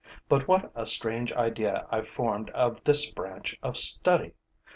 But what a strange idea I formed of this branch of study!